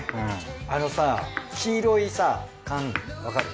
あのさ黄色いさ缶わかる？